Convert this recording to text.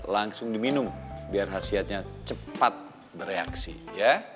langsung diminum biar khasiatnya cepat bereaksi ya